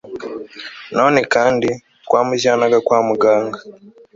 nanone kandi, twamujyanaga kwa muganga